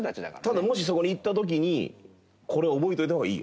ただもしそこに行った時にこれは覚えておいた方がいいよ。